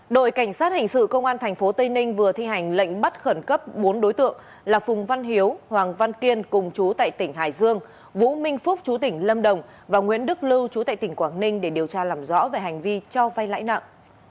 đội cảnh sát hình sự công an tp tây ninh vừa thi hành lệnh bắt khẩn cấp bốn đối tượng là phùng văn hiếu hoàng văn kiên cùng chú tại tỉnh hải dương vũ minh phúc chú tỉnh lâm đồng và nguyễn đức lưu trú tại tỉnh quảng ninh để điều tra làm rõ về hành vi cho vay lãi nặng